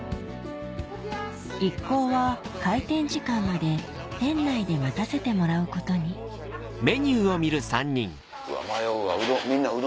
一行は開店時間まで店内で待たせてもらうことに迷うわ